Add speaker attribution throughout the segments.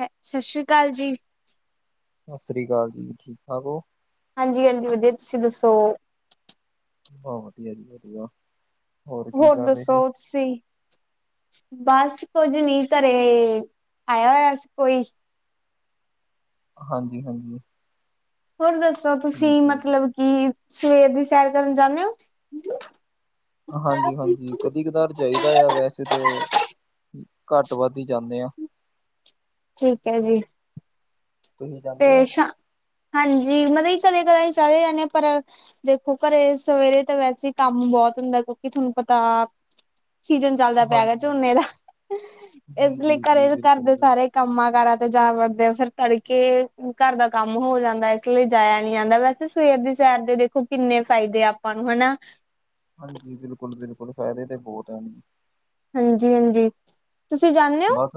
Speaker 1: ਹੈ, ਸਤਿ ਸ਼੍ਰੀ ਅਕਾਲ ਜੀ।
Speaker 2: ਸਤਿ ਸ਼੍ਰੀ ਅਕਾਲ ਜੀ, ਠੀਕ ਠਾਕ ਹੋ?
Speaker 1: ਹਾਂਜੀ-ਹਾਂਜੀ, ਵਧੀਆ ਤੁਸੀਂ ਦੱਸੋ?
Speaker 2: ਵਾ ਵਧੀਆ ਜੀ ਵਧੀਆ। ਕੀ
Speaker 1: ਹੋਰ
Speaker 2: ਕਰ ਰਹੇ
Speaker 1: ਦੱਸੋ
Speaker 2: ਸੀ
Speaker 1: ਤੁਸੀਂ? ਬਸ ਕੁੱਝ ਨੀ ਘਰੇ ਆਇਆ ਹੋਇਆ ਸੀ ਕੋਈ।
Speaker 2: ਹਾਂਜੀ-ਹਾਂਜੀ,
Speaker 1: ਹੋਰ ਦੱਸੋ ਤੁਸੀਂ
Speaker 2: ਜੀ
Speaker 1: ਮਤਲਬ ਕੀ ਸਵੇਰ ਦੀ ਸੈਰ ਕਰਨ ਜਾਣੇ ਓ।
Speaker 2: ਹਾਂਜੀ-ਹਾਂਜੀ, ਕਦੀ ਕਦਾਰ ਜਾਈਦਾ ਆ ਵੈਸੇ ਤੇ ਘੱਟ ਵੱਧ ਹੀ ਜਾਣੇ ਆ।
Speaker 1: ਠੀਕ ਐ ਜੀ।
Speaker 2: ਤੁਸੀਂ ਜਾਂਦੇ ਹੋ
Speaker 1: ਤੇ ਸ਼ ਹਾਂਜੀ ਮਤਲਬ ਕਦੇ ਕਦਾਈਂ ਚਲ ਜਾਣੇ ਆ ਪਰ ਦੇਖੋ ਘਰੇ ਸਵੇਰੇ ਤਾਂ ਵੈਸੇ ਈ ਕੰਮ ਬਹੁਤ ਹੁੰਦਾ ਕਿਉਂਕਿ ਤੁਹਾਨੂੰ ਪਤਾ ਸੀਜਨ ਚੱਲਦਾ ਪਿਆ ਗਾ
Speaker 2: ਹਾਂਜੀ ਹਾਂਜੀ
Speaker 1: ਝੋਨੇ ਦਾ ਇਸ
Speaker 2: ਜੀ
Speaker 1: ਲਈ
Speaker 2: ਜੀ ਜੀ
Speaker 1: ਘਰੇ ਘਰ
Speaker 2: ਬਿਲਕੁਲ
Speaker 1: ਦੇ
Speaker 2: ਬਿਲਕੁਲ
Speaker 1: ਸਾਰੇ ਕੰਮਾਂ ਕਾਰਾਂ ਤੇ ਜਾ ਵੜਦੇ ਆ ਫੇਰ ਤੜਕੇ ਘਰ ਦਾ ਕੰਮ ਹੋ ਜਾਂਦਾ, ਇਸ ਲਈ ਜਾਇਆ ਨੀ ਜਾਂਦਾ ਵੈਸੇ ਸਵੇਰ ਦੀ ਸੈਰ ਦੇ ਦੇਖੋ ਕਿੰਨੇ ਫਾਇਦੇ ਆ ਆਪਾਂ ਨੂੰ ਹਨਾ।
Speaker 2: ਹਾਂਜੀ, ਬਿਲਕੁਲ-ਬਿਲਕੁਲ ਫਾਇਦੇ ਤੇ ਬਹੁਤ ਹਨ।
Speaker 1: ਹਾਂਜੀ-ਹਾਂਜੀ, ਤੁਸੀਂ ਜਾਣੇ
Speaker 2: ਬਸ,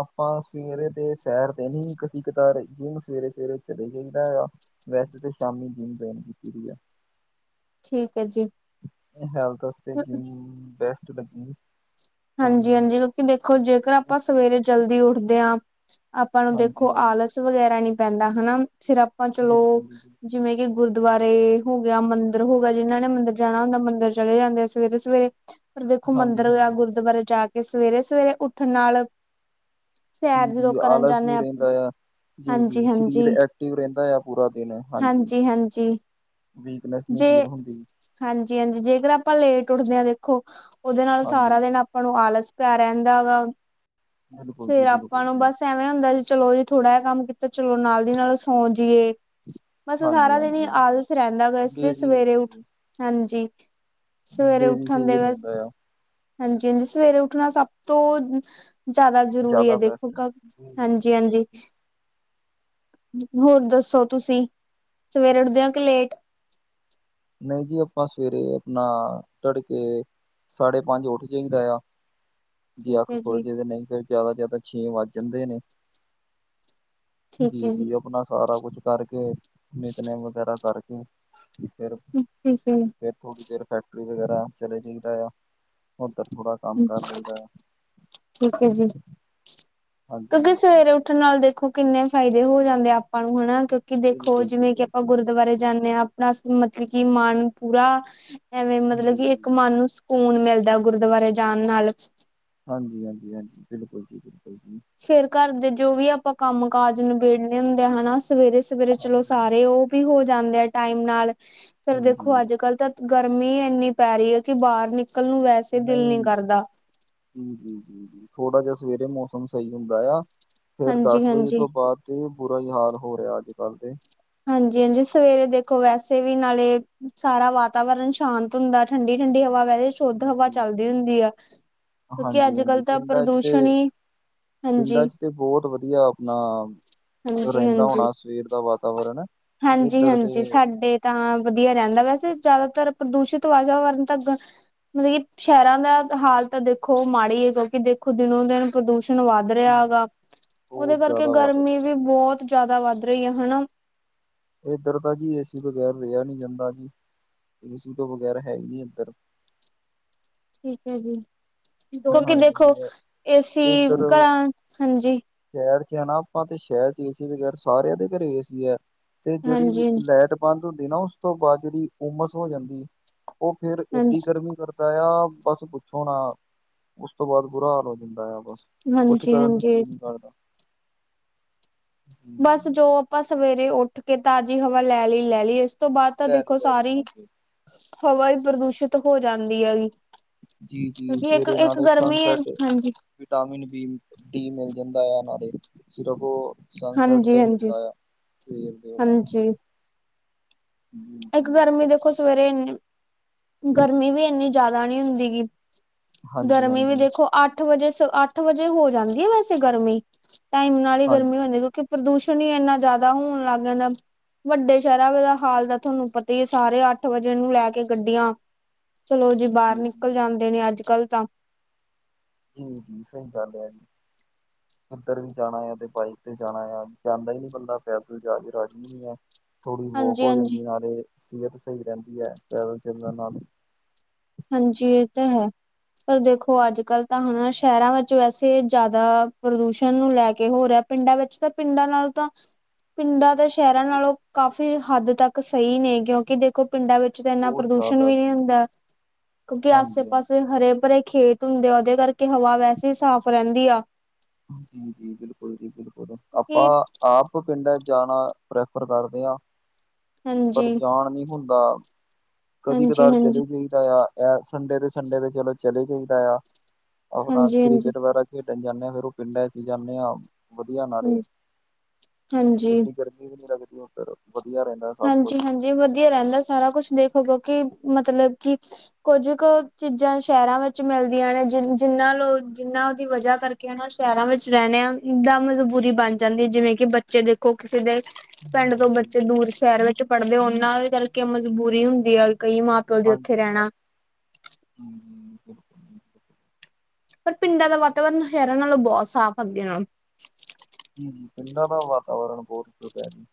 Speaker 2: ਆਪਾਂ ਸਵੇਰੇ ਤੇ ਸੈਰ ਤੇ ਨੀ ਕਦੀ ਕਦਾਰ, ਜਿਮ ਸਵੇਰੇ-ਸਵੇਰੇ ਚਲੇ ਜਾਂਈਦਾ ਆ। ਵੈਸੇ ਤਾਂ ਸ਼ਾਮੀ ਜਿਮ ਜੌਇਨ ਕੀਤੀ ਦੀ ਆ।
Speaker 1: ਠੀਕ ਐ ਜੀ।
Speaker 2: [unintelligible] ਬੈਸਟ ਲੱਗੀ,
Speaker 1: ਹਾਂਜੀ-ਹਾਂਜੀ, ਕਿਉਂਕਿ ਦੇਖੋ ਜੇਕਰ ਆਪਾਂ ਸਵੇਰੇ ਜਲਦੀ ਉੱਠਦੇ ਆ। ਆਪਾਂ ਨੂੰ
Speaker 2: ਹਾਂਜੀ
Speaker 1: ਦੇਖੋ
Speaker 2: ਹਾਂਜੀ
Speaker 1: ਆਲਸ ਵਗੈਰਾ ਨੀ ਪੈਂਦਾ ਹੈਣਾ ਫਿਰ ਆਪਾਂ ਚਲੋ,
Speaker 2: ਬਿਲਕੁਲ ਜੀ,
Speaker 1: ਜਿਵੇਂ ਕਿ ਗੁਰਦੁਆਰੇ ਹੋ ਗਿਆ, ਮੰਦਿਰ ਹੋ ਗਿਆ ਜਿਨਾਂ ਨੇ ਮੰਦਿਰ ਜਾਣਾ ਹੁੰਦਾ ਮੰਦਿਰ ਚਲੇ ਜਾਂਦੇ ਆ ਸਵੇਰੇ ਸਵੇਰੇ। ਪਰ ਦੇਖੋ ਮੰਦਰਿ ਜਾ
Speaker 2: ਹਾਂਜੀ-ਹਾਂਜੀ,
Speaker 1: ਗੁਰਦੁਆਰੇ ਜਾ ਕੇ ਸਵੇਰੇ ਸਵੇਰੇ ਉੱਠਣ ਨਾਲ, ਸੈਰ
Speaker 2: ਜੀ
Speaker 1: ਜਦੋਂ
Speaker 2: ਜੀ,
Speaker 1: ਕਰਨ
Speaker 2: ਆਲਸ
Speaker 1: ਜਾਂਦੇ
Speaker 2: ਨਹੀਂ
Speaker 1: ਹਾਂ
Speaker 2: ਰਹਿੰਦਾ ਆ। ਜੀ
Speaker 1: ਹਾਂਜੀ
Speaker 2: ਜੀ,
Speaker 1: ਹਾਂਜੀ
Speaker 2: ਸ਼ਰੀਰ ਐਕਟਿਵ ਰਹਿੰਦਾ ਆ ਪੂਰਾ ਦਿਨ ਹਾਂਜੀ। ਵੀਕਨੈਸ ਨੀ
Speaker 1: ਜੇ
Speaker 2: ਫੀਲ ਹੁੰਦੀ।
Speaker 1: ਹਾਂਜੀ ਹਾਂਜੀ, ਜੇਕਰ ਆਪਾਂ ਲੇਟ ਉੱਠਦੇ ਆਂ ਦੇਖੋ ਉਹਦੇ ਨਾਲ ਸਾਰਾ
Speaker 2: ਹਾਂਜੀ,
Speaker 1: ਦਿਨ ਆਪਾਂ ਆਪਾਂ ਨੂੰ ਆਲਸ ਜਾ ਰਹਿੰਦਾ ਵਾ
Speaker 2: ਬਿਲਕੁਲ ਜੀ
Speaker 1: ਫੇਰ
Speaker 2: ਬਿਲਕੁਲ
Speaker 1: ਆਪਾਂ ਨੂੰ
Speaker 2: ਜੀ,
Speaker 1: ਬਸ ਐਵੇਂ ਵੇਂ ਹੁੰਦਾ ਜੀ ਚਲੋ ਜੀ ਥੋੜ੍ਹਾ ਜਾ ਕੰਮ ਕੀਤਾ ਚਲੋ ਨਾਲ ਦੀ ਨਾਲ ਸੌਂ ਜਿਏ। ਬਸ ਸਾਰਾ ਦਿਨ ਈ
Speaker 2: ਹਾਂਜੀ-ਹਾਂਜੀ, ਹਾਂਜੀ।
Speaker 1: ਆਲਸ ਰਹਿੰਦਾ ਵਾ ਇਸ ਲਈ
Speaker 2: ਡੇਜ਼ੀ
Speaker 1: ਸਵੇਰੇ ਉੱਠ, ਹਾਂਜੀ। ਸਵੇਰੇ
Speaker 2: ਡੇਜ਼ੀ
Speaker 1: ਉਠਨ
Speaker 2: ਸਹੀ
Speaker 1: ਦੇ ਬਸ।
Speaker 2: ਰਹਿੰਦਾ ਆ,
Speaker 1: ਕਹਿੰਦੇ ਸਵੇਰੇ ਉੱਠਣਾ ਸਭ ਤੋਂ, ਜ਼ਿਆਦਾ ਜ਼ਰੂਰੀ ਹੈ
Speaker 2: ਜ਼ਿਆਦਾ
Speaker 1: ਦੇਖੋ,
Speaker 2: ਬੈਸਟ ਜੀ।
Speaker 1: ਹਾਂਜੀ-ਹਾਂਜੀ। ਹੋਰ ਦੱਸੋ ਤੁਸੀਂ ਸਵੇਰੇ ਉੱਠਦੇ ਔ ਕਿ ਲੇਟ?
Speaker 2: ਨਹੀਂ ਜੀ ਆਪਾਂ ਸਵੇਰੇ ਅਪਣਾ ਤੜ ਕੇ, ਸਾਢੇ ਪੰਜ ਉੱਠ ਜਾਇਦਾ ਆ। ਜੇ
Speaker 1: ਠੀਕ
Speaker 2: ਅੱਖ
Speaker 1: ਹੈ
Speaker 2: ਖੋਲ੍ਹ
Speaker 1: ਜੀ
Speaker 2: ਜੇ ਤੇ ਨਹੀ ਫੇਰ ਜ਼ਿਆਦਾ ਤੋ ਜ਼ਿਆਦਾ ਛੇ ਵੱਜ ਜਾਂਦੇ ਨੇ।
Speaker 1: ਠੀਕ
Speaker 2: ਜੀ
Speaker 1: ਹੈ
Speaker 2: ਜੀ, ਅਪਣਾ ਸਾਰਾ ਕੁਛ ਕਰਕੇ ਨਿਤਨੇਮ ਵਗੈਰਾ ਕਰਕੇ, ਫੇਰ
Speaker 1: [unintelligible]
Speaker 2: ਫੇਰ ਥੋੜ੍ਹੀ ਦੇਰ ਫੈਕਟਰੀ ਵਗੈਰਾ ਚਲੇ ਜਾਈ ਦਾ ਆ, ਉੱਧਰ ਥੋੜ੍ਹਾ ਕੰਮ ਕਰ ਲਈ ਦਾ ਆ।
Speaker 1: ਠੀਕ ਹੈ ਜੀ,
Speaker 2: ਹਾਂਜੀ
Speaker 1: ਕਿਉਂਕਿ
Speaker 2: ਹਾਂਜੀ
Speaker 1: ਸਵੇਰੇ ਉਠ ਉੱਠਣ ਨਾਲ ਦੇਖੋ ਕਿੰਨੇ ਫਾਇਦੇ ਹੋ ਜਾਂਦੇ ਆਪਾਂ ਨੂੰ, ਹੈਣਾ ਕਿਉਂਕਿ ਦੇਖੋ
Speaker 2: ਬਿਲਕੁਲ ਜੀ
Speaker 1: ਜਿਵੇਂ ਕਿ ਆਪਾਂ
Speaker 2: ਬਿਲਕੁਲ ਜੀ।
Speaker 1: ਗੁਰਦੁਆਰੇ, ਜਾਂਦੇ ਆ। ਆਪਣਾ ਮਤਲਬ ਕੀ ਮਨ ਪੂਰਾ ਐਵੇਂ ਮਤਲਬ
Speaker 2: ਹਾਂਜੀ
Speaker 1: ਕਿ ਇੱਕ ਮਨ ਨੂੰ ਸੁ ਸਕੂਨ ਮਿਲਦਾ ਗੁਰਦੁਆਰੇ ਜਾਣ ਨਾਲ।
Speaker 2: ਹਾਂਜੀ ਹਾਂਜੀ ਹਾਂਜੀ, ਬਿਲਕੁਲ ਜੀ ਬਿਲਕੁਲ ਜੀ।
Speaker 1: ਫੇਰ ਘਰ ਦੇ ਜੋ ਵੀ ਆਪਾਂ ਕੰਮ ਕਾਜ ਨਿਬੇੜਨੇ ਹੁੰਦੇ ਆ। ਹੈਣਾ ਸਵੇਰੇ ਸਵੇਰੇ ਚਲੋ
Speaker 2: ਹਾਂਜੀ।
Speaker 1: ਸਾਰੇ ਉਹ, ਵੀ ਹੋ ਜਾਂਦੇ ਆ ਟਾਈਮ ਨਾਲ, ਫੇਰ ਰ
Speaker 2: ਜੀ
Speaker 1: ਦੇਖੋ
Speaker 2: ਜੀ
Speaker 1: ਅੱਜ ਕੱਲ੍ਹ ਤਾਂ, ਗਰਮੀ ਇੰਨੀ ਪੈ ਰਹੀ ਹੈ ਕਿ, ਬਾਹਰ ਨਿਕਲ ਨੂੰ ਵੈਸੇ ਦਿਲ
Speaker 2: ਨਹੀਂ
Speaker 1: ਨੀ ਕਰਦਾ
Speaker 2: ਜੀ ਜੀ ਜੀ ਥੋੜਾ ਜਿਹਾ ਸਵੇਰੇ ਮੌਸਮ ਸਹੀ ਹੁੰਦਾ ਆ। ਫੇਰ
Speaker 1: ਹਾਂਜੀ
Speaker 2: ਦਸ ਵਜੇ
Speaker 1: ਹਾਂਜੀ
Speaker 2: ਤੋਂ ਬਾਅਦ ਤੇ ਬੁਰਾ ਹੀ ਹਾਲ ਹੋ ਰਿਹਾ ਅੱਜ ਕੱਲ੍ਹ ਤੇ।
Speaker 1: ਹਾਂਜੀ-ਹਾਂਜੀ, ਸਵੇਰੇ ਦੇਖੋ ਵੈਸੇ ਵੀ ਨਾਲੇ ਸਾਰਾ ਵਾਤਾਵਰਨ ਸ਼ਾਂਤ, ਹੁੰਦਾ ਠੰਡੀ-ਠੰਡੀ ਹਵਾ ਵਹਿ ਸ਼ੁੱਧ
Speaker 2: ਜੀ
Speaker 1: ਹਵਾ
Speaker 2: ਜੀ
Speaker 1: ਚੱਲਦੀ
Speaker 2: ਜੀ।
Speaker 1: ਹੁੰਦੀ ਹੈ। ਕਿਉਂਕਿ
Speaker 2: ਹਾਂਜੀ
Speaker 1: ਅੱਜ
Speaker 2: ਹਾਂਜੀ
Speaker 1: ਕੱਲ੍ਹ ਤਾਂ
Speaker 2: ਪਿੰਡਾਂ ਚ ਤੇ
Speaker 1: ਪ੍ਰਦੂਸ਼ਣ ਈ,
Speaker 2: ਪਿੰਡਾਂ
Speaker 1: ਹਾਂਜੀ।
Speaker 2: ਚ ਤੇ ਬਹੁਤ ਵਧੀਆ ਅਪਣਾ
Speaker 1: ਹਾਂਜੀ
Speaker 2: ਰਹਿੰਦਾ ਹੋਣਾ ਸਵੇਰ ਦਾ ਵਾਤਾਵਰਨ? ਇੱਧਰ ਤੇ
Speaker 1: ਹਾਂਜੀ-ਹਾਂਜੀ। ਸਾਡੇ, ਤਾਂ ਵਧੀਆ ਰਹਿੰਦਾ ਵੈਸੇ ਜ਼ਿਆਦਾਤਰ ਪ੍ਰਦੂਸ਼ਿਤ ਵਾਤਾਵਰਨ ਤਾਂ ਮਤਲਬ ਕਿ ਸ਼ਹਿਰਾਂ ਦਾ ਹਾਲ ਤਾਂ ਦੇਖੋ ਮਾੜੀ ਹੈ। ਕਿਉਂਕਿ ਦੇਖੋ ਦਿਨੋ ਦਿਨ ਪ੍ਰਦੂਸ਼ਣ ਵੱਧ, ਵੱਧ ਰਿਹਾ ਹੈਗਾ। ਉਹਦੇ
Speaker 2: ਬਹੁਤ
Speaker 1: ਕਰਕੇ
Speaker 2: ਜ਼ਿਆਦਾ ਵੱਧ ਗਿਆ।
Speaker 1: ਗਰਮੀ ਵੀ ਬਹੁਤ ਜਿਆਦਾ ਵੱਧ ਰਹੀ ਹੈ ਹੈਣਾ?
Speaker 2: ਇੱਧਰ ਤਾਂ ਜੀ ਏਸੀ ਬਗੈਰ ਰਿਹਾ ਨੀ ਜਾਂਦਾ ਜੀ। ਏਸੀ ਤੋਂ ਬਗੈਰ ਹੈ ਹੀ ਨਹੀਂ ਇੱਧਰ।
Speaker 1: ਠੀਕ ਹੈ ਜੀ ਕਿਉਕਿ ਦੇਖੋ
Speaker 2: ਹਾਂਜੀ ਇਹ
Speaker 1: ਏਸੀ
Speaker 2: ਇੱਧਰ
Speaker 1: ਘਰਾਂ ਹਾਂਜੀ।
Speaker 2: ਸ਼ਹਿਰ ਚ ਹੈਨਾ ਆਪਾਂ ਤੇ ਸ਼ਹਿਰ ਚ ਏਸੀ ਬਗੈਰ ਸਾਰਿਆਂ ਦੇ ਘਰੇ ਏਸੀ ਹੈ। ਤੇ ਜਿਹੜੀ
Speaker 1: ਹਾਂਜੀ
Speaker 2: ਲਾਈਟ ਬੰਦ ਹੁੰਦੀ ਨਾ ਉਸ ਤੋਂ ਬਾਅਦ ਜਿਹੜੀ ਉਮਸ ਹੋ ਜਾਂਦੀ ਉਹ ਫੇਰ ਏਡੀ
Speaker 1: ਹਾਂਜੀ
Speaker 2: ਗਰਮੀ ਕਰਦਾ ਆ ਬਸ ਪੁੱਛੋ ਨਾ। ਉਸ ਤੋਂ ਬਾਅਦ ਬੁਰਾ ਹਾਲ ਹੋ ਜਾਂਦਾ ਆ ਬਸ ਕੁਛ
Speaker 1: ਹਾਂਜੀ
Speaker 2: ਕਰਨ ਨੂੰ
Speaker 1: ਹਾਂਜੀ
Speaker 2: ਜੀ ਨੀ ਕਰਦਾ। ਹਮ,
Speaker 1: ਬਸ ਜੋ ਆਪਾਂ ਸਵੇਰੇ ਉੱਠ ਕੇ ਤਾਜ਼ੀ ਹਵਾ ਲੈ ਲਈ ਲੈ ਲਈ ਉਸ ਤੋਂ ਬਾਅਦ ਤਾਂ
Speaker 2: ਲੈ ਲਈ
Speaker 1: ਦੇਖੋ
Speaker 2: ਲੈ ਲਈ
Speaker 1: ਸਾਰੀ
Speaker 2: ਹਾਂਜੀ
Speaker 1: ਹਵਾ ਹੀ ਪ੍ਰਦੂਸ਼ਿਤ ਹੋ ਜਾਂਦੀ ਹੈਗੀ।
Speaker 2: ਜੀ-ਜੀ
Speaker 1: ਕਿਉਂਕਿ ਇੱਕ
Speaker 2: ਸਵੇਰੇ
Speaker 1: ਇੱਕ
Speaker 2: ਨਾਲੇ
Speaker 1: ਗਰਮੀ ਹੈ
Speaker 2: ਸਨਸੈੱਟ
Speaker 1: ਹਾਂਜੀ
Speaker 2: ਵਿਟਾਮਿਨ ਬੀ ਡੀ ਮਿਲ ਜਾਂਦਾ ਹੈ [unintelligible] ਸਿਰਫ ਓਹ ਸਨਸੈਟ
Speaker 1: ਹਾਂਜੀ
Speaker 2: ਤੋਂ ਹੀ,
Speaker 1: ਹਾਂਜੀ
Speaker 2: ਮਿਲਦਾ ਆ। ਵੇਰ ਦਿਓ।
Speaker 1: ਹਾਂਜੀ ਇੱਕ
Speaker 2: ਹੂੰ-ਹੂੰ।
Speaker 1: ਗਰਮੀ ਦੇਖੋ ਸਵੇਰੇ ਇਨੀ, ਗਰਮੀ ਵੀ, ਇੰਨੀ ਜ਼ਿਆਦਾ ਨਹੀਂ ਹੁੰਦੀ ਗੀ।
Speaker 2: ਹਾਂਜੀ
Speaker 1: ਗਰਮੀ ਵੀ
Speaker 2: ਹਾਂਜੀ
Speaker 1: ਦੇਖੋ, ਅੱਠ ਵਜੇ- ਅੱਠ ਵਜੇ, ਹੋ ਜਾਂਦੀ ਹੈ। ਵੈਸੇ ਗਰਮੀ। ਟਾਈਮ ਨਾਲ ਹੀ,
Speaker 2: ਹਾਂਜੀ
Speaker 1: ਗਰਮੀ ਹੁੰਦੀ। ਕਿਉਂਕਿ, ਪ੍ਰਦੂਸ਼ਣ ਹੀ ਇੰਨਾ, ਜ਼ਿਆਦਾ ਹੋਣ ਲੱਗ ਜਾਂਦਾ। ਵੱਡੇ ਸ਼ਹਿਰਾਂ ਦਾ, ਹਾਲ ਤਾਂ ਤੁਹਾਨੂੰ, ਪਤਾ ਹੀ ਹੈ। ਸਾਰੇ ਅੱਠ, ਵਜੇ ਨੂੰ ਲੈ ਕੇ, ਗੱਡੀਆਂ। ਚਲੋ ਜੀ ਬਾਹਰ, ਨਿਕਲ ਜਾਂਦੇ ਨੇ, ਅੱਜ ਕੱਲ ਤਾਂ।
Speaker 2: ਜੀ- ਜੀ, ਸਹੀ, ਗੱਲ ਹੈ ਜੀ।
Speaker 1: ਹ। [inaudible]
Speaker 2: ਉੱਧਰ ਵੀ ਜਾਣਾ ਆ। ਤੇ, ਬਾਈਕ ਤੇ ਜਾਣਾ ਆ। ਜਾਂਦਾ ਹੀ ਨਹੀਂ ਬੰਦਾ ਪੈਦਲ, ਜਾ ਕੇ ਰਾਜੀ ਨੀ ਹੈ। ਥੋੜੀ ਵੋਕ
Speaker 1: ਹਾਂਜੀ
Speaker 2: ਹੋ
Speaker 1: ਹਾਂਜੀ
Speaker 2: ਜਾਂਦੀ, ਨਾਲੇ ਸਿਹਤ ਸਹੀ ਰਹਿੰਦੀ ਹੈ। ਟਰੈਵਲ ਚੱਲ ਨਾਲ।
Speaker 1: ਹਾਂਜੀ। ਇਹ ਤਾਂ ਹੈ। ਪਰ ਦੇਖੋ ਅੱਜ ਕੱਲ, ਤਾਂ ਹੁਣ ਸ਼ਹਿਰਾਂ ਵਿੱਚ, ਵੈਸੇ ਜ਼ਿਆਦਾ ਪ੍ਰਦੂਸ਼ਣ, ਨੂੰ ਲੈ ਕੇ, ਹੋ ਰਿਹਾ। ਪਿੰਡਾਂ ਵਿੱਚ ਤਾਂ, ਪਿੰਡਾਂ ਨਾਲੋਂ ਤਾਂ ਪਿੰਡਾਂ ਤੇ, ਸ਼ਹਿਰਾਂ ਨਾਲੋਂ, ਕਾਫ਼ੀ ਹੱਦ ਤੱਕ ਸਹੀ ਨੇ। ਕਿਉਂਕਿ ਦੇ- ਦੇਖੋ ਪਿੰਡਾਂ ਵਿੱਚ, ਤਾਂ ਇੰਨਾ
Speaker 2: ਬਹੁਤ
Speaker 1: ਪ੍ਰਦੂਸ਼ਣ
Speaker 2: ਜ਼ਿਆਦਾ
Speaker 1: ਵੀ, ਨਹੀਂ
Speaker 2: ਜੀ
Speaker 1: ਹੁੰਦਾ। ਕਿਉਂਕਿ, ਆਸੇ-
Speaker 2: ਹਾਂਜੀ
Speaker 1: ਪਾਸੇ, ਹਰੇ- ਭਰੇ, ਖੇਤ ਹੁੰਦੇ ਆ। ਉਹਦੇ ਕਰਕੇ ਹਵਾ ਵੈਸੇ ਹੀ, ਸਾਫ਼ ਰਹਿੰਦੀ ਆ।
Speaker 2: ਜੀ- ਜੀ, ਬਿਲਕੁਲ ਜੀ, ਬਿਲਕੁਲ ਆਪਾਂ
Speaker 1: ਕਿਉਂਕਿ
Speaker 2: ਆਪ, ਪਿੰਡਾਂ ਜਾਣਾ, ਪ੍ਰੈਫਰ ਕਰਦੇ ਹ। ਪਰ,
Speaker 1: ਹਾਂਜੀ
Speaker 2: ਜਾਣ ਨਹੀਂ ਹੁੰਦਾ। ਕਦੀ-
Speaker 1: ਹਾਂਜੀ ਹਾਂਜੀ
Speaker 2: ਕਤਾਰ, ਚਲੇ ਜਾਈਦਾ ਆ। ਇਹ ਸੰਡੇ ਦੇ ਸੰਡੇ, ਤੇ ਚਲੋ, ਚਲੇ ਜਾਈਦਾ ਆ। ਆਪਣਾ
Speaker 1: ਹਾਂਜੀ ਹਾਂਜੀ
Speaker 2: ਕ੍ਰਿਕਟ, ਵਗੈਰਾ ਖੇਡਣ ਜਾਂਦੇ ਹਾਂ। ਫੇਰ ਉਹ ਪਿੰਡਾਂ ਚ ਜਾਂਦੇ ਹਾਂ। ਵਧੀਆ ਨਾਲੇ,
Speaker 1: ਹਾਂਜੀ ਹਾਂਜੀ
Speaker 2: ਇਏਡੀ ਗਰਮੀ ਵੀ, ਨਹੀਂ ਲੱਗਦੀ ਉਧਰ ਫੇਰ ਵਧੀਆ ਰਹਿੰਦਾ। ਸਭ ਕੁਛ
Speaker 1: ਹਾਂਜੀ- ਹਾਂਜੀ, ਵਧੀਆ ਰਹਿੰਦਾ ਸਾਰਾ ਕੁਛ, ਦੇਖੋ ਕਿਉਂਕਿ, ਮਤਲਬ ਕਿ ਕੁੱਝ ਕੁ ਚੀਜ਼ਾਂ, ਸ਼ਹਿਰਾਂ ਵਿੱਚ ਮਿਲਦੀਆਂ ਨੇ। ਜਿ ਜਿਨਾਂ ਲੋ ਜਿੰਨਾਂ ਦੀ ਵਜਾ, ਕਰਕੇ। ਸ਼ਹਿਰਾਂ ਵਿੱਚ ਰਹਿਣਿਆਂ। ਦਾ ਮਜਬੂਰੀ ਬਣ ਜਾਂਦੀ ਹੈ। ਜਿਵੇਂ ਕਿ ਬੱਚੇ ਦੇਖੋ, ਕਿਸੇ ਦੇ। ਪਿੰਡ ਤੋਂ
Speaker 2: ਹਾਂਜੀ
Speaker 1: ਬੱਚੇ,
Speaker 2: ਹਾਂਜੀ
Speaker 1: ਦੂਰ ਸ਼ਹਿਰ ਵਿੱਚ ਪੜਦੇ, ਉਹਨਾਂ ਦੇ ਕਰਕੇ ਮਜਬੂਰੀ ਹੁੰਦੀ ਆ। ਕਈ ਮਾਂ ਪ- ਕਦੀ ਉੱਥੇ ਰਹਿਣਾ।
Speaker 2: ਹਮ ਬਿਲਕ [unintelligible]
Speaker 1: ਪਰ ਪਿੰਡਾਂ ਦਾ ਵਾਤਾਵਰਨਰਾਂ, ਸ਼ਹਿਰਾਂ ਨਾਲੋਂ ਬਹੁਤ ਸਾਫ਼, ਆ ਅੱਗੇ ਨਾਲੋਂ।
Speaker 2: ਜੀ- ਜੀ, ਪਿੰਡਾਂ ਦਾ ਵਾਤਾਵਰਨ, ਬਹੁਤ ਸੁਧ ਹੈ ਜੀ।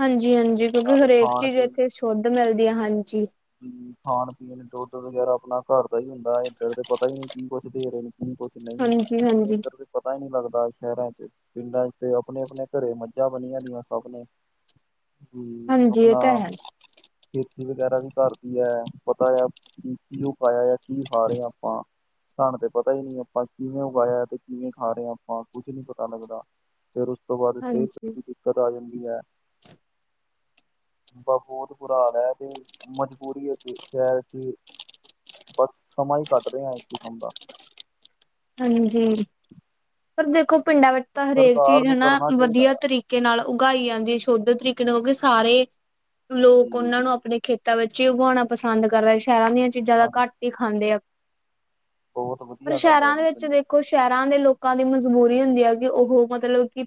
Speaker 1: ਹਾਂਜੀ- ਹਾਂਜੀ, ਕਿਉਂਕਿ,
Speaker 2: ਨਾਲੇ
Speaker 1: ਹਰੇਕ
Speaker 2: ਖਾਣ
Speaker 1: ਚੀਜ਼ ਇੱਥੇ ਸ਼ੁੱਧ ਮਿਲਦੀ ਹੈ, ਹਾਂਜੀ।
Speaker 2: ਹੂੰ। ਖਾਣ- ਪੀਣ, ਦੁੱਧ, ਵਗੈਰਾ ਆਪਣਾ ਘਰ ਦਾ ਹੀ, ਹੁੰਦਾ। ਇਏਧਰ ਦੇ ਪਤਾ ਹੀ ਨਹੀਂ, ਕੀ ਕੁੱਛ ਦੇ ਰਹੇ ਨੇ। ਕੀ ਕੁਛ ਨਹੀਂ,
Speaker 1: ਹਾਂਜੀ-ਹਾਂਜੀ-ਹਾਂਜੀ
Speaker 2: ਇੱਧਰ ਦੇ ਪਤਾ ਹੀ ਨਹੀਂ ਲੱਗਦਾ, ਸ਼ਹਿਰਾਂ ਚ। ਪਿੰਡਾਂ ਚ ਤੇ ਆਪਣੇ- ਆਪਣੇ, ਘਰੇ ਮੱਝਾਂ ਬਣੀਆਂ, ਦੀਆਂ ਸਭ ਨੇ।
Speaker 1: [inaudible]
Speaker 2: ਹੂੰ।
Speaker 1: ਹਾਂਜੀ ਇਹ
Speaker 2: ਆਪਣਾ
Speaker 1: ਤਾਂ ਹੈ
Speaker 2: ਖੇਤੀ ਵਗੈਰਾ ਵੀ ਘਰਦੀ ਹੈ। ਪਤਾ ਆ ਕਿ-ਕੀ, ਉਹ ਪਾਇਆ ਆ। ਕੀ ਖਾ, ਰਹੇ ਆਪਾਂ ਸਾਨੂੰ ਤੇ ਪਤਾ ਹੀ ਨਹੀਂ। ਆਪਾਂ ਕਿਵੇਂ ਉਗਾਇਆ, ਤੇ ਕਿਵੇਂ ਖਾ, ਰਹੇ ਆਪਾਂ ਕੁੱਛ ਨੀ ਪਤਾ ਲੱਗਦਾ। ਫੇਰ, ਉਸ ਤੋਂ ਬਾਅਦ, ਸਿਹਤ। ਦਿੱਕਤ, ਆ ਜਾਂਦੀ ਹੈ। ਬਹੁਤ ਬੁਰਾ ਹੈ, ਤੇ। ਮਜਬੂਰੀ ਹੈ, ਤੇ ਸ਼ਹਿਰ ਚ, ਬਸ ਸਮਾਂ ਹੀ ਕੱਢ ਰਿਹਾ ਇੱਕ ਕਿਸਮ ਦਾ।
Speaker 1: ਹਾਂਜੀ, ਪਰ ਦੇਖੋ ਪਿੰਡਾਂ ਵਿੱਚ ਤਾਂ, ਹਰੇਕ
Speaker 2: ਸਰਕਾਰ
Speaker 1: ਚੀਜ਼
Speaker 2: ਨੂੰ
Speaker 1: ਹਨਾ,
Speaker 2: ਕਰਨਾ ਚਾਹੀਦਾ
Speaker 1: ਵਧੀਆ
Speaker 2: ਆ
Speaker 1: ਤਰੀਕੇ ਤਰੀਕੇ ਨਾਲ, ਉਗਾਈ ਜਾਂਦੀ ਹੈ। ਸ਼ੁੱਧ ਤਰੀਕੇ ਨਾਲ, ਕਿਉਂਕਿ ਸਾਰੇ ਲੋਕ,
Speaker 2: ਜੀ
Speaker 1: ਉਹਨਾਂ ਨੂੰ ਆਪਣੇ ਖੇਤਾਂ ਵਿੱਚ ਹੀ, ਉਗਾਵਾਉਣਾ ਪਸੰਦ ਕਰਦੇ। ਸ਼ਹਿਰਾਂ ਦੀਆਂ ਚੀਜ਼ਾਂ ਤਾਂ,
Speaker 2: ਹਾਂਜੀ
Speaker 1: ਘੱਟ ਹੀ
Speaker 2: ਹਾਂਜੀ
Speaker 1: ਖਾਂਦੇ ਆ।
Speaker 2: ਬਹੁਤ, ਵਧੀਆ ਗੱਲ ਹੈ, ਜੀ।
Speaker 1: ਅਛਾ,
Speaker 2: ਪਿੰਡਾਂ
Speaker 1: ਦੇਖੋ ਸ਼ਹਿਰਾਂ ਦੇ, ਲੋਕਾਂ ਦੀ, ਮਜਬੂਰੀ ਹੁੰਦੀ ਹੈ। ਕਿ ਉਹ ਮਤਲਬ ਕਿ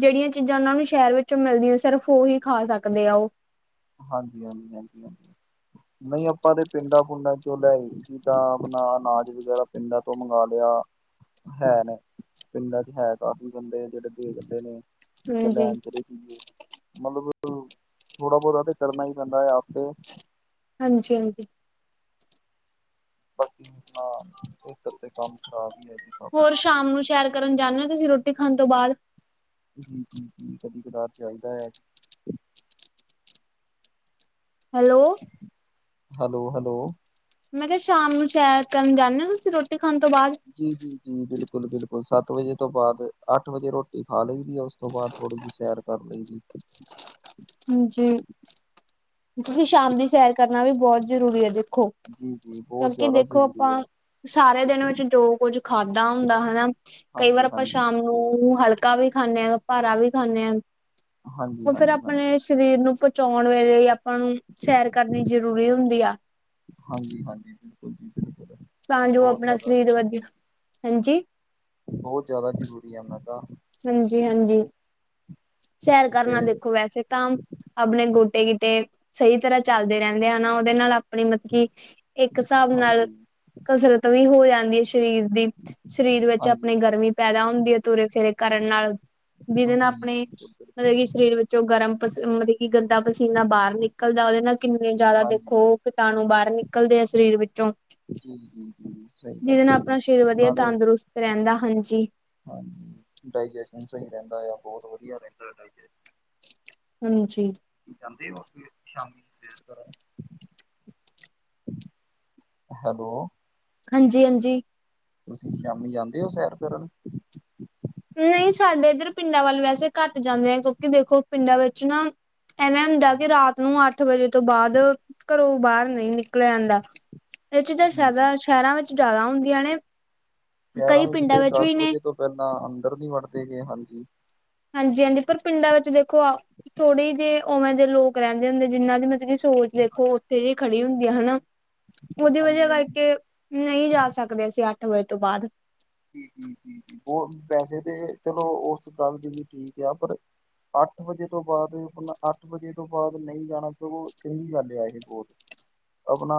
Speaker 1: ਜਿਹੜੀਆਂ ਚੀਜ਼ਾਂ, ਉਹਨਾਂ ਨੂੰ ਸ਼ਹਿਰ ਵਿੱਚ, ਮਿਲਦੀਆਂ ਸਿਰਫ, ਉਹੀ ਖਾ ਸਕਦੇ ਆ ਉਹ।
Speaker 2: ਹਾਂਜੀ- ਹਾਂਜੀ, ਹਾਂਜੀ- ਹਾਂਜੀ।
Speaker 1: ਹ। [inaudible]
Speaker 2: ਨਹੀਂ ਆਪਾਂ ਤੇ ਪਿੰਡਾਂ- ਪੁੰਡਾਂ, ਚੋਂ ਲੈ ਆਣੀ ਜਾਂ ਆਪਣਾ ਅਨਾਜ, ਵਗੈਰਾ ਪਿੰਡਾਂ ਤੋਂ ਮੰਗਵਾ ਲਿਆ। ਹੈ ਨੇ, ਪਿੰਡਾਂ ਚ ਹੈ ਕਾਫੀ ਬੰਦੇ, ਜਿਹੜੇ ਦੇਖਦੇ ਨੇ
Speaker 1: ਹਾਂਜੀ
Speaker 2: ਲੈਣ ਚ ਇਹ ਚੀਜ਼, ਮਤਲਬ ਥੋੜਾ ਬਹੁਤਾ ਕਰਨਾ ਹੀ, ਪੈਂਦਾ ਹੈ ਆਪੇ।
Speaker 1: ਹਾਂਜੀ ਹਾਂਜੀ।
Speaker 2: ਬਾਕੀ ਖੇਤਰ ਤੇ ਕੰਮ ਖਰਾਬ ਹੈ ਜੀ। [inaudible]
Speaker 1: ਹੋਰ ਸ਼ਾਮ ਨੂੰ, ਸੈਰ ਕਰਨ ਜਾਂਦੇ ਹਾਂ, ਰੋਟੀ ਖਾਣ ਤੋਂ, ਬਾਅਦ
Speaker 2: ਜੀ, ਜੀ ਜੀ ਕਦੀ ਕਦਾਰ ਚਲਦਾ, ਏ
Speaker 1: ਹੈਲੋ।
Speaker 2: Hello hello.
Speaker 1: ਮੈਂ ਕਿਹਾ, ਸ਼ਾਮ ਨੂੰ ਸ਼ੈਰ ਕਰਨ ਜਾਂਦੇ ਹੋ ਤੁਸੀਂ, ਰੋਟੀ ਖਾਣ ਤੋਂ, ਬਾਅਦ
Speaker 2: ਜੀ, ਜੀ ਜੀ ਬਿਲਕੁਲ ਬਿਲਕੁਲ ਸੱਤ ਵਜੇ ਤੋਂ ਬਾਅਦ, ਅੱਠ ਵਜੇ ਰੋਟੀ ਖਾ ਲਈ ਦੀ ਆ, ਉਸ ਉਸ ਤੋਂ ਬਾਅਦ ਥੋੜੀ ਜਿਹੀ ਸੈਰ ਕਰ ਲਈੈਂ, ਦੀ
Speaker 1: ਜੀ, ਸ਼ਾਮ ਦੀ ਸੈਰ ਕਰਨਾ ਵੀ, ਬਹੁਤ ਜ਼ਰੂਰੀ ਹੈ, ਦੇਖੋ
Speaker 2: ਜੀ ਜੀ
Speaker 1: ਜਦ
Speaker 2: ਬਹੁਤ
Speaker 1: ਕਿ
Speaker 2: ਜ਼ਿਆਦਾ
Speaker 1: ਦੇਖੋ,
Speaker 2: ਜ਼ਰੂਰੀ ਹੈ
Speaker 1: ਆਪਾਂ ਸਾਰੇ ਦਿਨ ਵਿੱਚ ਜੋ ਕੁੱਝ ਖਾਧਾ ਹੁੰਦਾ, ਹਨਾ ਕਈ ਵਾਰ,
Speaker 2: ਹਾਂਜੀ
Speaker 1: ਆਪਾਂ
Speaker 2: ਹਾਂਜੀ
Speaker 1: ਸ਼ਾਮ
Speaker 2: ਬਿਲਕੁਲ
Speaker 1: ਨੂੰ ਹਲਕਾ ਵੀ ਖਾਂਦੇ ਹਾਂ ਭਾਰਾ ਵੀ ਖਾਂਦੇ ਹਾਂ,
Speaker 2: ਹਾਂਜੀ
Speaker 1: ਉਹ ਫਿਰ
Speaker 2: ਹਾਂਜੀ
Speaker 1: ਆਪਾ
Speaker 2: ਹਾਂਜੀ
Speaker 1: ਸਰੀਰ, ਨੂੰ ਪਹੁੰਚਾਉਣ ਵੇਲੇ ਆਪਾਂ ਨੂੰ ਸੈਰ ਕਰਨੀ, ਜ਼ਰੂਰੀ ਹੁੰਦੀ ਆ
Speaker 2: ਹਾਂਜੀ ਹਾਂਜੀ ਬਿਲਕੁਲ, ਜੀ ਬਿਲਕੁਲ।
Speaker 1: ਤਾਂ ਜੋ,
Speaker 2: ਬਹੁਤ
Speaker 1: ਆਪਣਾ
Speaker 2: ਜ਼ਿਆਦਾ
Speaker 1: ਸਰੀਰ ਵਧੀਆ, ਹਾਂਜੀ
Speaker 2: ਬਹੁਤ ਜ਼ਿਆਦਾ, ਜ਼ਰੂਰੀ ਹੈ ਮੈਂ ਕਿਹਾ?
Speaker 1: ਹਾਂਜੀ ਹਾਂਜੀ ਸੈਰ ਕਰਨਾ
Speaker 2: ਤੇ
Speaker 1: ਦੇਖੋ ਵੈਸੇ ਤਾਂ ਆਪਣੇ ਗੋਟੇ ਗਿੱਟੇ, ਸਹੀ ਤਰ੍ਹਾਂ ਚੱਲਦੇ ਰਹਿੰਦੇ ਹੈ ਨਾ, ਨਾ ਉਹਦੇ ਨਾਲ ਮਤਲਬ ਕੀ ਇੱਕ ਹਿਸਾਬ ਨਾਲ,
Speaker 2: ਹਾਂਜੀ,
Speaker 1: ਕਸਰਤ ਵੀ ਹੋ ਜਾਂਦੀ, ਹੈ ਸਰੀਰ ਸਾਡੇ ਸਰੀਰ ਵਿੱਚ,
Speaker 2: ਹਾਂਜੀ,
Speaker 1: ਆਪਣੀ ਗਰਮੀ
Speaker 2: ਹਾਂਜੀ,
Speaker 1: ਪੈਦਾ ਹੁੰਦੀ ਹੈ, ਤੁਰੇ ਫਿਰੇ ਕਰਨ ਨਾਲ ਜਿਹਦੇ, ਨਾਲ
Speaker 2: ਜੀ
Speaker 1: ਆਪਣੇ
Speaker 2: ਬਿਲਕੁਲ, ਬਿਲਕੁਲ
Speaker 1: ਮਤਲਬ ਕਿ, ਸਰੀਰ ਵਿੱਚੋਂ ਗਰਮ ਪਸੀਨਾ, ਮਤਲਬ ਕਿ ਗੰਦਾ ਪਸੀਨਾ, ਬਾਹਰ ਨਿਕਲਦਾ ਉਹਦੇ, ਨਾਲ ਕਿੰਨੇ ਜ਼ਿਆਦਾ
Speaker 2: ਹਾਂਜੀ,
Speaker 1: ਦੇਖੋ
Speaker 2: ਹਾਂਜੀ
Speaker 1: ਕੀਟਾਣੂ, ਬਾਹਰ ਨਿਕਲਦੇ ਆ ਸਰੀਰ ਵਿੱਚੋਂ
Speaker 2: ਜੀ, ਜੀ, ਜੀ ਸਹੀ ਗੱਲ
Speaker 1: ਜਿਹਦੇ
Speaker 2: ਹੈ
Speaker 1: ਨਾਲ
Speaker 2: ਜੀ
Speaker 1: ਆਪਣਾ, ਸਰੀਰ ਵਧੀਆ
Speaker 2: ਨਾਲੇ
Speaker 1: ਤੰਦਰੁਸਤ ਰਹਿੰਦਾ, ਹਾਂਜੀ।
Speaker 2: ਹਾਂਜੀ, ਡਾਇਜੈਸ਼ਨ ਸਹੀ ਰਹਿੰਦਾ ਆ, ਬਹੁਤ ਵਧੀਆ ਰਹਿੰਦਾ
Speaker 1: ਹਾਂਜੀ।
Speaker 2: ਜਾਂਦੇ ਹੋ ਫਿਰ ਸ਼ਾਮੀ ਸੇਰ ਕਰਨ ਹੈਲੋ।
Speaker 1: ਹਾਂਜੀ ਹਾਂਜੀ।
Speaker 2: ਤੁਸੀਂ, ਸ਼ਾਮੀ ਜਾਂਦੇ ਹੋ ਸੈਰ ਕਰਨ।
Speaker 1: ਨਹੀਂ, ਸਾਡੇ ਇੱਧਰ ਪਿੰਡਾਂ ਵੱਲ, ਵੈਸੇ ਘੱਟ ਜਾਂਦੇ ਆ, ਕਿਉਂਕਿ ਦੇਖੋ ਪਿੰਡਾਂ ਵਿੱਚ, ਨਾ ਐਵੇਂ, ਹੁੰਦਾ ਕਿ ਰਾਤ ਨੂੰ, ਅੱਠ ਵਜੇ ਤੋਂ ਬਾਅਦ ਘਰੋਂ ਬਾਹਰ, ਨਹੀਂ ਨਿਕਲ ਜਾਂਦਾ, ਇਹ ਚੀਜ਼
Speaker 2: ਜੀ ਜੀ
Speaker 1: ਸ਼ਹਿਰਾਂ ਸ਼ਹਿਰਾਂ ਵਿੱਚ ਜ਼ਿਆਦਾ ਹੁੰਦੀਆਂ, ਨੇ
Speaker 2: ਗਿਆਰਾਂ
Speaker 1: ਕਈ
Speaker 2: ਵਜ
Speaker 1: ਪਿੰਡਾਂ
Speaker 2: ਤੇ
Speaker 1: ਵਿੱਚ ਵੀ
Speaker 2: ਦਸ
Speaker 1: ਨੇ
Speaker 2: ਵਜੇ ਤੋਂ ਪਹਿਲਾਂ ਅੰਦਰ ਨ ਵਟਦੇ ਗਏ ਹਾਂਜੀ
Speaker 1: ਹਾਂਜੀ ਹਾਂਜੀ ਪਰ ਪਿੰਡਾਂ ਵਿੱਚ ਦੇਖੋ ਆ ਥੋੜੀ ਜਿਹੇ ਉਵੇਂ ਦੇ ਲੋਕ ਰਹਿੰਦੇ ਹੁੰਦੇ ਜਿਹਨਾਂ ਦੀ ਮਤਲਬ ਕਿ ਸੋਚ ਦੇਖੋ ਉੱਥੇ ਜ ਖੜੀ ਹੁੰਦੀ ਆ ਹਨਾ ਉਹਦੀ ਵਜ੍ਹਾ
Speaker 2: ਹਾਂਜੀ ਹਾਂਜੀ
Speaker 1: ਕਰਕੇ ਨਹੀਂ ਜਾ ਸਕਦੇ ਅਸੀਂ ਅੱਠ ਵਜੇ ਤੋਂ ਬਾਅਦ
Speaker 2: ਜ ਜ ਜ ਉਹ ਵੈਸੇ ਤੇ ਚਲੋ ਉਸ ਗੱਲ ਦੀ ਵੀ ਠੀਕ ਆ ਪਰ ਅੱਠ ਵਜੇ, ਤੋਂ ਬਾਅਦ ਆਪਣਾ ਅੱਠ ਵਜੇ, ਤੋਂ ਬਾਅਦ ਨਹੀਂ ਜਾਣਾ ਸਗੋਂ ਇਹੀ ਗੱਲ, ਆ ਇਹ ਬਹੁਤ ਆਪਣਾ,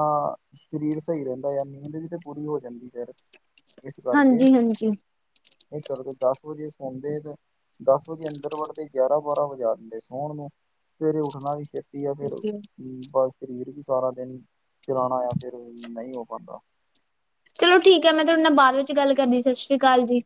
Speaker 2: ਸਰੀਰ ਸਹੀ ਰਹਿੰਦਾ ਆ, ਨੀਂਦ ਵੀ ਤਾਂ ਪੂਰੀ ਹੋ ਜਾਂਦੀ, ਫਿਰ ਇਸ ਕਰ
Speaker 1: ਹਾਂਜੀ ਹਾਂਜੀ
Speaker 2: ਨਹੀਂ, ਘਰੋਂ ਤੇ, ਦਸ ਵਜੇ ਸੋਂਦੇ ਜੇ ਦੱਸ ਵਜੇ, ਅੰਦਰ ਵੜਦੇ ਗਿਆਰਾਂ ਬਾਰਾਂ ਵਜਾ ਦਿੰਦੇ ਸੋਣ ਨੂੰ, ਸਵੇਰੇ ਉੱਠਣਾ ਵੀੇ ਏ ਫਿਰ ਬਸ, ਸਰੀਰ ਵੀ ਸਾਰਾ ਦਿਨ ਚਲਾਣਾ ਆ, ਫਿਰ ਨਹੀਂ, ਹੋ ਪਾਦਾ
Speaker 1: ਚਲੋ ਠੀਕ ਹੈ, ਮੈਂ ਤੁਹਾਡੇ ਨਾਲ ਬਾਅਦ ਵਿੱਚ, ਗੱਲ ਕਰਨੀ ਸਤਿ ਸ਼੍ਰੀ ਅਕਾਲ ਜੀ।